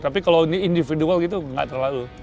tapi kalau ini individual gitu nggak terlalu